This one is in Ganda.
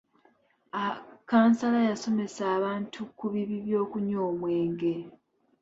Kansala yasomesa abantu ku bibi by'okunywa omwenge.